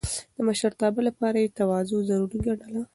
د مشرتابه لپاره يې تواضع ضروري ګڼله.